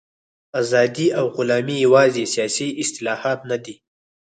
ازادي او غلامي یوازې سیاسي اصطلاحات نه دي.